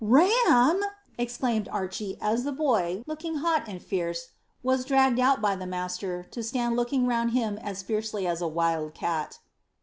"Ram!" exclaimed Archy, as the boy, looking hot and fierce, was dragged out by the master, to stand looking round him as fiercely as a wild cat.